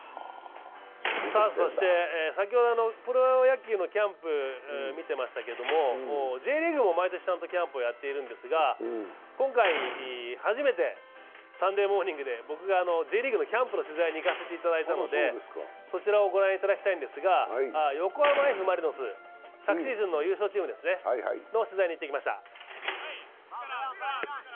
そして先ほどプロ野球のキャンプ見ていましたけど、Ｊリーグも毎年ちゃんとキャンプをやってるんですが今回、初めて「サンデーモーニング」で僕がＪリーグのキャンプの取材に行かせていただいたのでそちらをご覧いただきたいのですが横浜Ｆ・マリノス、昨シーズンの優勝チームの取材に行ってきました。